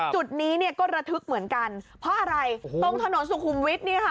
จุดนี้เนี่ยก็ระทึกเหมือนกันเพราะอะไรตรงถนนสุขุมวิทย์นี่ค่ะ